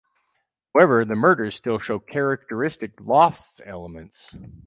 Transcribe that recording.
However, the murders still show characteristic Lofts elements.